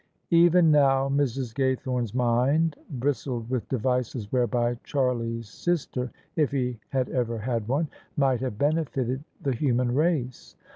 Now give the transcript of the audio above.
Even now Mrs. Gaythorne's mind bristled with devices whereby Charlie's sister — if he had ever had one — ^might have benefited the human race.